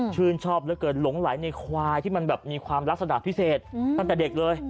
ชื่นชอบเหลือเกินหลงไหลในควายที่มันแบบมีความลักษณะพิเศษตั้งแต่เด็กเลย